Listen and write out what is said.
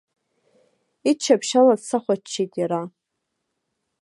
Иччаԥшь ала дсахәаччеит иара!